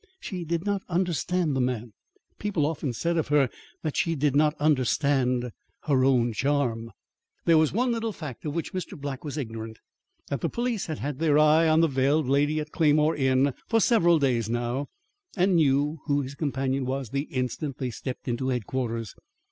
She did not understand the man. People often said of her that she did not understand her own charm. There was one little fact of which Mr. Black was ignorant; that the police had had their eye on the veiled lady at Claymore Inn for several days now and knew who his companion was the instant they stepped into Headquarters.